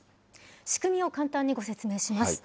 仕組みを簡単にご説明します。